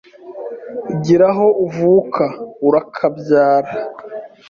gira aho uvuka, urakabyara,